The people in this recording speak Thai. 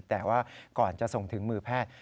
แต่ว่าก่อนจะส่งถึงมือแพทย์